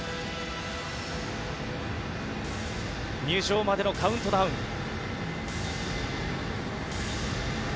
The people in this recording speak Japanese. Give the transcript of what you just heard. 入場までのカウントダウン。